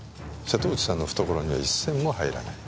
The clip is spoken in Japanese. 瀬戸内さんの懐には一銭も入らない。